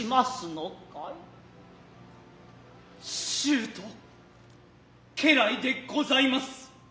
主と家来でございます。